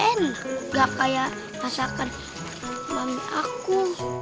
enggak kayak rasakan mami aku